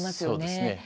そうですね。